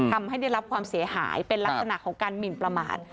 ทำให้ได้รับความเสียหายเป็นลักษณะของการหมินประมาท